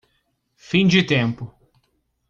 Fim de tempo